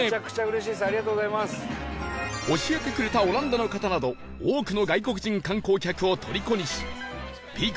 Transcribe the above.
教えてくれたオランダの方など多くの外国人観光客をとりこにしピーク